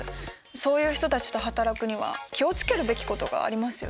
そういう人たちと働くには気を付けるべきことがありますよね。